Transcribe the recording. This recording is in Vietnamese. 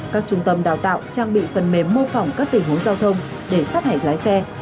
các trung tâm đào tạo trang bị phần mềm mô phỏng các tình huống giao thông để sát hạch lái xe